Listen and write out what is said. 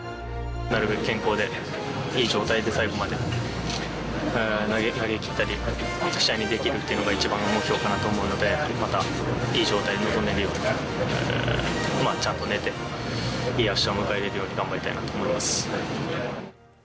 なるべく健康でいい状態で、最後まで投げきったり、試合に出るっていうのが一番の目標かなと思うので、またいい状態で臨めるように、ちゃんと寝て、いいあしたを迎えられるように頑張りたいなと思います。